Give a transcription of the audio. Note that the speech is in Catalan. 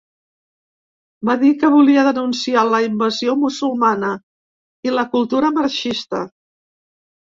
Va dir que volia denunciar la ‘invasió musulmana’ i la ‘cultura marxista’.